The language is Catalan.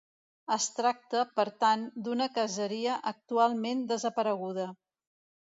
Es tracta, per tant, d'una caseria actualment desapareguda.